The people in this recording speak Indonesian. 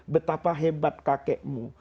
betapa hebat kakeknya